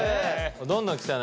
どんどん来たね。